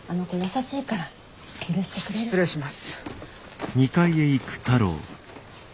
失礼します。